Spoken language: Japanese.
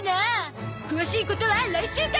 詳しいことは来週から